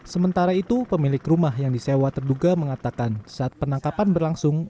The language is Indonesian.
sementara itu pemilik rumah yang disewa terduga mengatakan saat penangkapan berlangsung